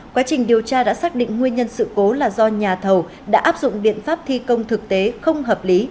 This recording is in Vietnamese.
quá trình điều tra đã xác định nguyên nhân sự cố là do nhà thầu đã áp dụng biện pháp thi công thực tế không hợp lý